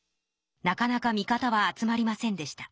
なかなか味方は集まりませんでした。